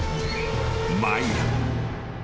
マイラ］